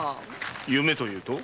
夢というと？